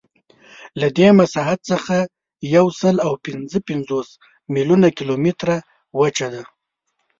له دې مساحت څخه یوسلاوپینځهپنځوس میلیونه کیلومتره وچه ده.